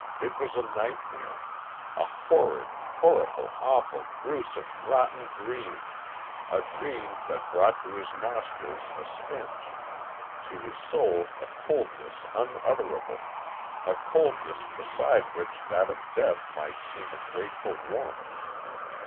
It was a nightmare a horrid, horrible, awful, grewsome, rotten dream, a dream that brought to his nostrils a stench to his soul a coldness unutterable a coldness beside which that of death might seem a grateful warmth....